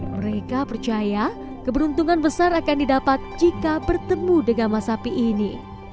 mereka percaya keberuntungan besar akan didapat jika bertemu dengan masapi ini